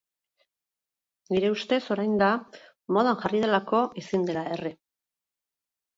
Nire ustez orain da, modan jarri delako ezin dela erre.